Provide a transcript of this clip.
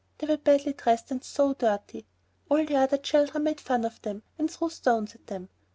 They were badly dressed, and so dirty! All the other children made fun of them and threw stones at them.